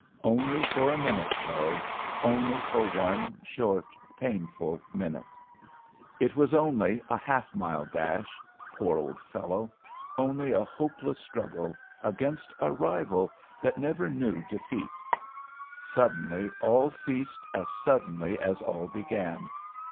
Only for a minute, though, only for one short, painful minute. It was only a half mile dash, poor old fellow! only a hopeless struggle against a rival that never knew defeat. Suddenly all ceased as suddenly as all began.